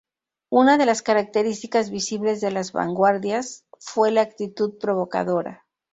Una de las características visibles de las vanguardias fue la actitud provocadora.